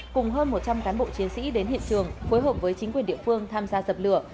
cùng hơn một trăm linh cán bộ chiến sĩ đến hiện trường phối hợp với chính quyền địa phương tham gia dập lửa